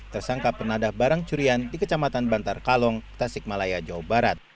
tersangka penadah barang curian di kecamatan bantar kalong tasik malaya jawa barat